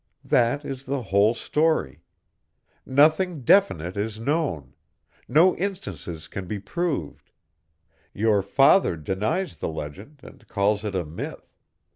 That is the whole story. Nothing definite is known; no instances can be proved; your father denies the legend and calls it a myth.